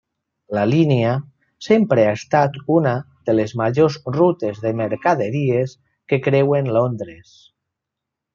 La línia sempre ha estat una de les majors rutes de mercaderies que creuen Londres.